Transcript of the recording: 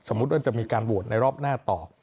สมมุติว่าจะมีการโหวดในรอบหน้าต่อ